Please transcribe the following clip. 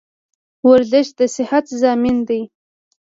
ورزش د صحت ضامن دی